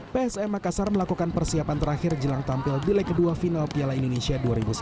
psm makassar melakukan persiapan terakhir jelang tampil di leg kedua final piala indonesia dua ribu sembilan belas